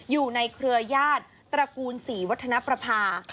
อยู่ในเครือยาศตระกูลศรีวัฒนประภา